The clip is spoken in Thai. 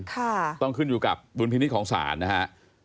ค่ะต้องขึ้นอยู่กับดุลพินิษฐ์ของศาลนะฮะ